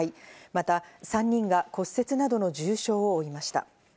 また３人が骨折などの重傷を負いました。